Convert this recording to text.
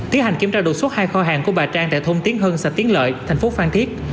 tiến hành kiểm tra đột xuất hai kho hàng của bà trang tại thôn tiến hưng xã tiến lợi thành phố phan thiết